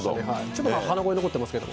ちょっと鼻声残ってますけど。